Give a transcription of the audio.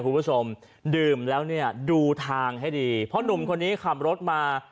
คุณผู้ชมดื่มแล้วเนี่ยดูทางให้ดีเพราะหนุ่มคนนี้ขับรถมา